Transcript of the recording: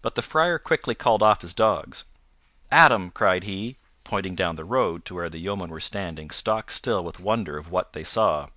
But the Friar quickly called off his dogs. "At 'em!" cried he, pointing down the road to where the yeomen were standing stock still with wonder of what they saw.